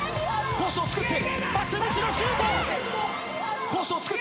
コースをつくって松道のシュート。